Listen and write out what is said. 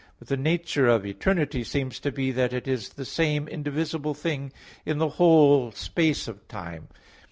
But the nature of eternity seems to be that it is the same indivisible thing in the whole space of time.